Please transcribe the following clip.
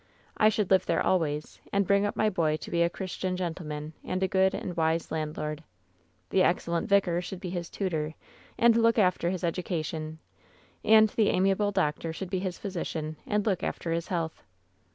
"I should live there always, and bring up my boy to * be a Christian gentleman and a good and wise landlord. "The excellent vicar should be his tutor and look after his education, and the amiable doctor should be his physician and look after his health.